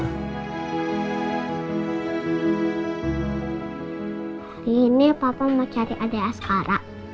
hari ini papa mau cari adik askara